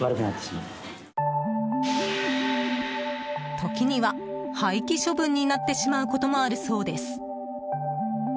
時には、廃棄処分になってしまうこともあるそうです。